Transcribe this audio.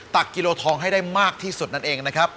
กิโลทองให้ได้มากที่สุดนั่นเองนะครับ